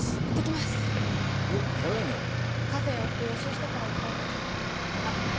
行ってきますえっ早いなカフェ寄って予習してから行きたいからあっ